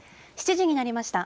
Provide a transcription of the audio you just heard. ７時になりました。